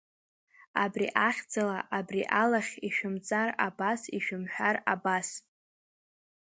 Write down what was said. Абри ахьӡала, абри алахь, ишәымҵар абас, ишәымҳәар абас!